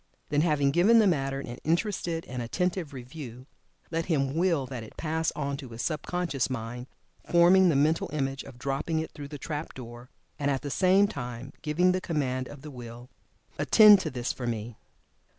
Then, having given the matter an interested and attentive review, let him Will that it pass on to his sub conscious mind, forming the mental image of dropping it through the trap door, and at the same time giving the command of the Will, "Attend to this for me!"